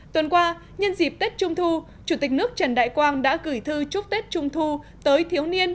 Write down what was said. tuần qua nhân dịp tết trung thu chủ tịch nước trần đại quang đã gửi thư chúc tết trung thu tới thiếu niên